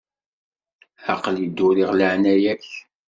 Aql-i dduriɣ leɛnaya-k.